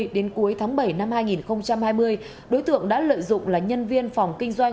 đến cuối tháng bảy năm hai nghìn hai mươi đối tượng đã lợi dụng là nhân viên phòng kinh doanh